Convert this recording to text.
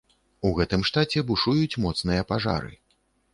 У гэтым штаце бушуюць моцныя пажары.